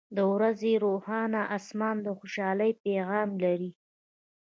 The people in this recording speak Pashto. • د ورځې روښانه آسمان د خوشحالۍ پیغام لري.